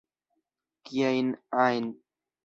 Kiajn ajn!